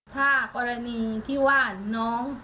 ถ้ากรณีที่ว่าน้อง